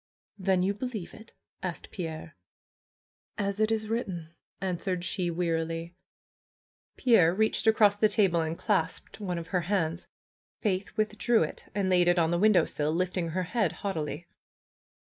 "Then you believe it?" asked Pierre. "As it is written," answered she wearily. Pierre reached across the table and clasped one of her hands. Faith withdrew it and laid it on the win dowsill, lifting her head haughtily.